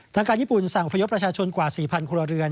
ทางการญี่ปุ่นสั่งอพยพประชาชนกว่า๔๐๐ครัวเรือน